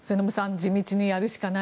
地道にやるしかない。